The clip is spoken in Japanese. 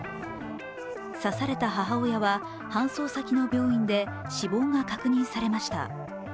刺された母親は搬送先の病院で死亡が確認されました。